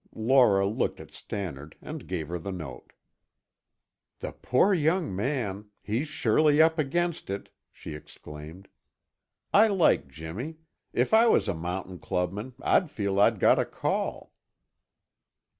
Laura looked at Stannard and gave her the note. "The poor young man. He's surely up against it!" she exclaimed. "I like Jimmy. If I was a mountain clubman, I'd feel I'd got a call."